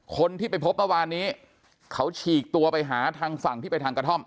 คนที่ไปพบเมื่อวานนี้เขาฉีกตัวไปหาทางฝั่งที่ไปทางกระท่อม